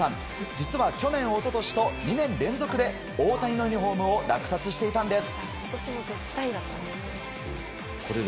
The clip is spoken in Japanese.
実は去年、一昨年と２年連続で大谷のユニホームを落札していたんです。